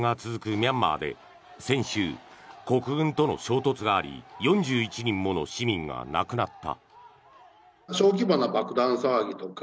ミャンマーで先週、国軍との衝突があり４１人もの市民が亡くなった。